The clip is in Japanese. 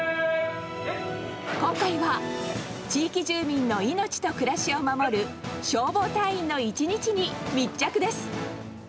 今回は、地域住民の命と暮らしを守る消防隊員の一日に密着です。